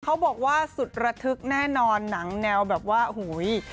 เขาบอกว่าสุดระทึกแน่นอนหนังแนวแบบว่าหูย